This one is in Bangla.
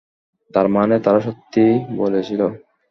তার মানে তারা সত্যি বলেছিল?